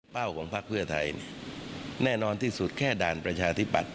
ป้าวของภาคเพื่อไทยเนี่ยแน่นอนที่สุดแค่ด่านประชาธิปัตย์